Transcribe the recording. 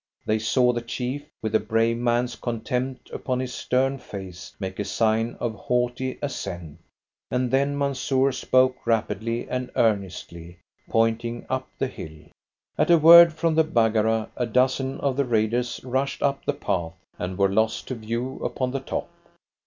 They saw the chief, with a brave man's contempt upon his stern face, make a sign of haughty assent, and then Mansoor spoke rapidly and earnestly, pointing up the hill. At a word from the Baggara, a dozen of the raiders rushed up the path and were lost to view upon the top.